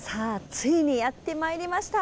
ついにやってまいりました。